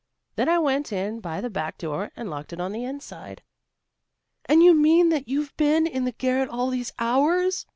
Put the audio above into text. Then I went in by the back door and locked it on the inside." "And you mean that you've been in the garret all these hours?"